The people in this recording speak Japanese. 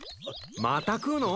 また食うの？